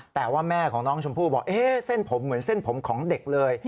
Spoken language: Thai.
แต่ว่าแม่ของน้องชมพู่บอกเส้นผมเหมือนเส้นผมของเด็กเลย